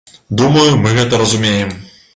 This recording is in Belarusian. Думаю, мы гэта разумеем.